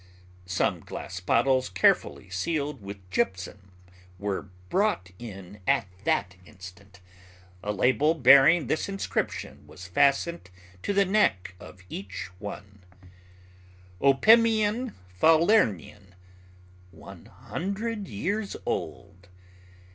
Some glass bottles carefully sealed with gypsum were brought in at that instant; a label bearing this inscription was fastened to the neck of each one: OPIMIAN FALERNIAN ONE HUNDRED YEARS OLD.